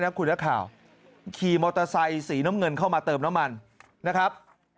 คุณนักข่าวขี่มอเตอร์ไซค์สีน้ำเงินเข้ามาเติมน้ำมันนะครับ